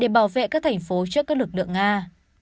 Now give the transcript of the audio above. để bảo vệ các thành phố trước các lực lượng nga